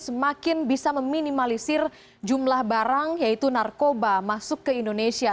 semakin bisa meminimalisir jumlah barang yaitu narkoba masuk ke indonesia